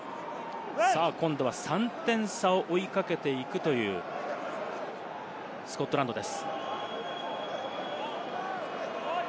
今度は３点差を追い掛けていくというスコットランドです。